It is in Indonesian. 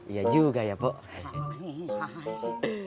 iya juga ya pok